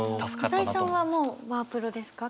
朝井さんはもうワープロですか？